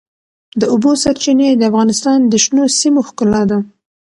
د اوبو سرچینې د افغانستان د شنو سیمو ښکلا ده.